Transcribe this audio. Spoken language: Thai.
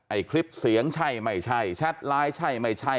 ไอคลิปเสียงใช่ไม่ใช่แชทไลน์ใช่ไม่ใช่